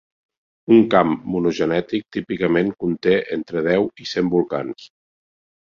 Un camp monogenètic típicament conté entre deu i cent volcans.